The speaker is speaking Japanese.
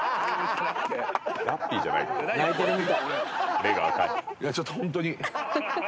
いやちょっとホントに。